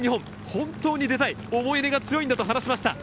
本当に出たい思い入れが強いんだと話していました。